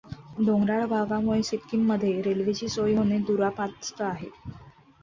डोंगराळ भागामुळे सिक्कीममध्ये रेल्वेची सोय होणे दुरापास्त आहे.